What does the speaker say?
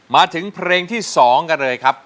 มาถึงเพลงที่๒กันเลยครับ